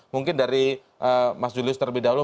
mungkin dari mas julius terlebih dahulu